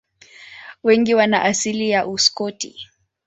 Wengi wana asili ya Uskoti.